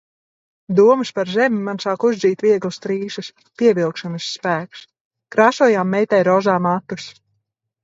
Domas par zemi man sāk uzdzīt vieglas trīsas. Pievilkšanas spēks. Krāsojām meitai rozā matus.